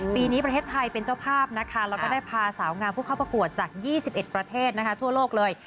ปีนี้ประเทศไทยเป็นเจ้าภาพนะคะแล้วก็ได้พาสาวงามผู้เข้าประกวดจาก๒๑ประเทศทั่วโลกเลย